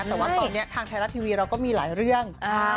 แต่ว่าตอนนี้ทางไทยรัฐทีวีเราก็มีหลายเรื่อง